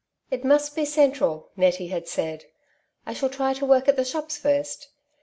'' It most be central," Nettie had said. " I shall try for work at the shops first."